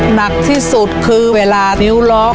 หนักที่สุดคือเวลานิ้วร้อง